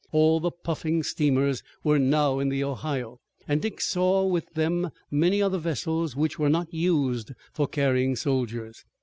All the puffing steamers were now in the Ohio, and Dick saw with them many other vessels which were not used for carrying soldiers.